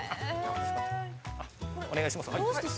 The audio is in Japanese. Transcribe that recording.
お願いします。